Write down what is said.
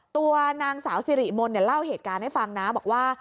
ตัวนางสาวสิริมนต์เนี่ยเล่าเหตุการณ์ให้ฟังนะบอกว่า